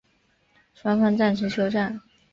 双方暂时休战。